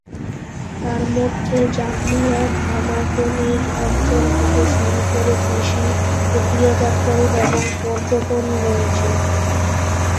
তার মধ্যে জাম্বিয়ার তামা খনির অঞ্চল থেকে শুরু করে কৃষি, প্রক্রিয়াজাতকরণ এবং পর্যটন রয়েছে।